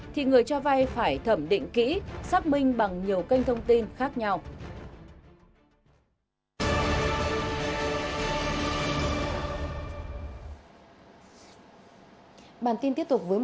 thì người cho vay phải thẩm định kỹ xác minh bằng nhiều kênh thông tin khác nhau